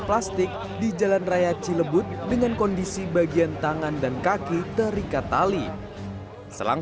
plastik di jalan raya cilebut dengan kondisi bagian tangan dan kaki terikat tali selang